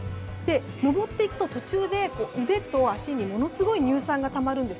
登っていくと途中で腕と足にものすごい乳酸がたまるんです。